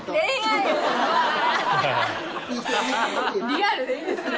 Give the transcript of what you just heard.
リアルでいいですね